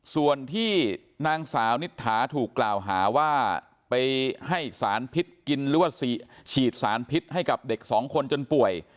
ส่วนที่นางสาวนิษฐาถูกกล่าวหาว่าไปให้สารพิษกินหรือว่าฉีดสารพิษให้กับเด็กสองคนจนป่วย